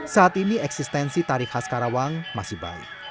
saat ini eksistensi tarif khas karawang masih baik